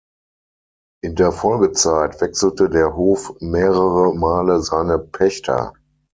In der Folgezeit wechselte der Hof mehrere Male seine Pächter.